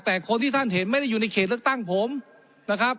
แต่คนที่ท่านเห็นไม่ได้อยู่ในเขตเลือกตั้งผมนะครับ